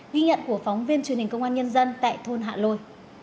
ghi nhận của phóng viên truyền hình công an nhân dân tại thôn hạ lôi